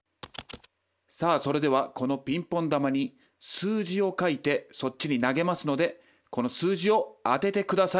さあそれではこのピンポン球に数字を書いてそっちに投げますのでこの数字を当てて下さい。